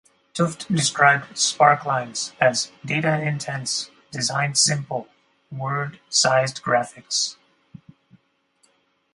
Tufte described sparklines as "data-intense, design-simple, word-sized graphics".